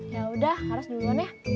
yaudah harus duluan ya